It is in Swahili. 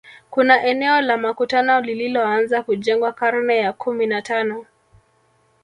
Kuna eneo la makutano lililoanza kujengwa karne ya kumi na tano